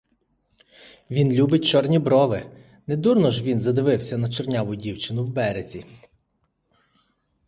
Він любить чорні брови: не дурно ж він задивився на чорняву дівчину в березі.